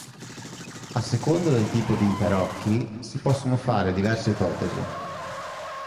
A seconda del tipo di tarocchi si possono fare diverse ipotesi.